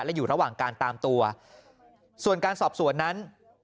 และอยู่ระหว่างการตามตัวส่วนการสอบสวนนั้น